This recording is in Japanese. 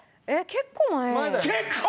結構前！？